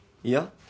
いや。